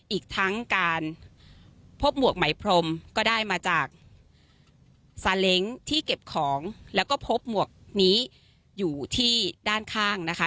อีกทั้งการพบหมวกไหมพรมก็ได้มาจากซาเล้งที่เก็บของแล้วก็พบหมวกนี้อยู่ที่ด้านข้างนะคะ